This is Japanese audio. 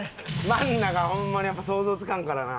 マンナがホンマにやっぱ想像つかんからな。